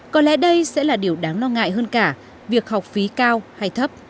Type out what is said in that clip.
có lẽ đây sẽ là điều đáng lo ngại hơn cả việc học phí cao hay thấp